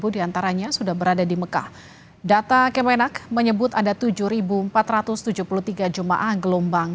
diantaranya sudah berada di mekah data kemenak menyebut ada tujuh empat ratus tujuh puluh tiga jemaah gelombang